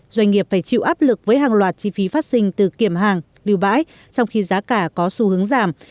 doanh nghiệp phải chịu áp lực với hàng loạt chi phí phát sinh từ kiểm hàng lưu bãi trong khi giá cả có xu hướng giảm